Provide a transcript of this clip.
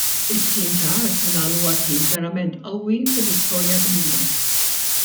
It-tim ta' Arsenal huwa tim verament qawwi u bi storja kbira.